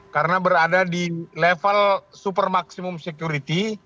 karena berada di level super maksimum security